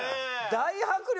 大迫力！